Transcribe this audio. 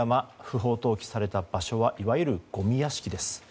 不法投棄された場所はいわゆるごみ屋敷です。